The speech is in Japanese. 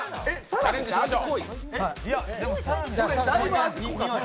チャレンジしましょう。